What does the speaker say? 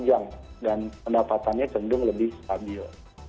lebih jangka panjang dan pendapatannya cenderung lebih stabil